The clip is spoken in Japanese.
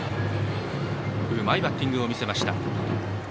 うまいバッティングを見せました。